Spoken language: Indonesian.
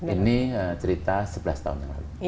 ini cerita sebelas tahun yang lalu